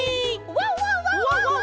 ワンワンワンワンワンワン。